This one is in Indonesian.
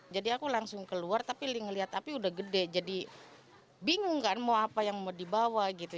jadi aku langsung keluar tapi melihat api sudah gede jadi bingung kan mau apa yang mau dibawa gitu